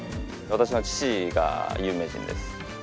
私の父が有名人です。